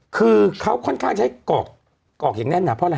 คือเขาค่อนข้างใช้กรอกอย่างแน่นอ่ะ